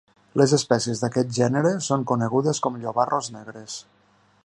Les espècies d'aquest gènere són conegudes com llobarros negres.